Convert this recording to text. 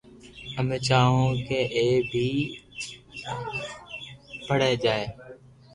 امي چاھو ھون ڪو ائ بي پڻڙي جائي